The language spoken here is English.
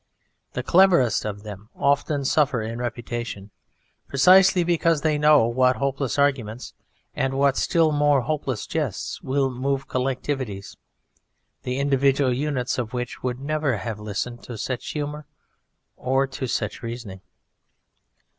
The cleverest of them often suffer in reputation precisely because they know what hopeless arguments and what still more hopeless jests will move collectivities, the individual units of which would never have listened to such humour or to such reasoning.